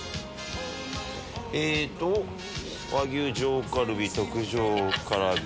えっと「和牛上カルビ」「特上カルビ」。